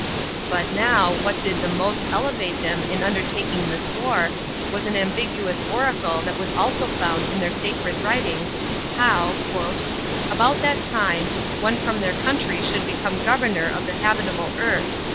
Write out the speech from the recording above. But now, what did the most elevate them in undertaking this war, was an ambiguous oracle that was also found in their sacred writings, how, "about that time, one from their country should become governor of the habitable earth."